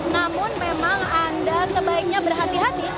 namun memang anda sebaiknya berhati hati